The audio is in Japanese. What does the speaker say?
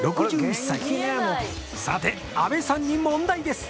６１歳さて阿部さんに問題です